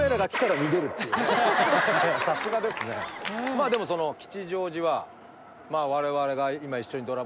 まあでもその吉祥寺は。